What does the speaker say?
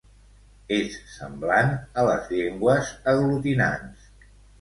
És semblant a les llengües aglutinants.